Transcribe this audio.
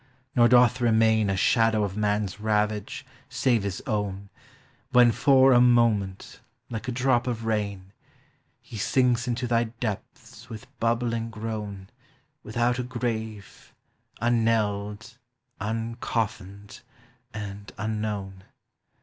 nor doth remain A shadow of man's ravage, save his own, When, for a moment, like a drop of rain, He sinks into thy depths with bnbbl ",. Without a grave, unknelled, uncofflned, and an known.